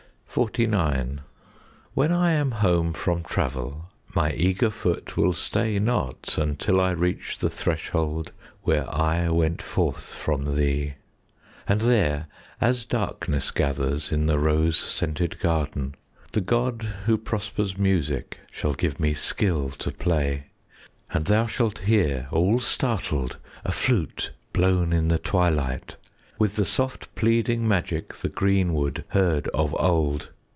15 XLIX When I am home from travel, My eager foot will stay not Until I reach the threshold Where I went forth from thee. And there, as darkness gathers 5 In the rose scented garden, The god who prospers music Shall give me skill to play. And thou shalt hear, all startled, A flute blown in the twilight, 10 With the soft pleading magic The green wood heard of old.